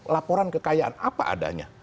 laporan kekayaan apa adanya